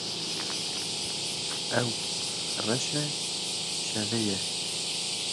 Ew reşê şevê ye.